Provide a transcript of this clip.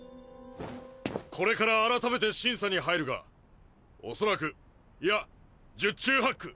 これから改めて審査に入るが恐らくいや十中八九！